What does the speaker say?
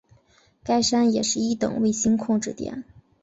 该山也是一等卫星控制点。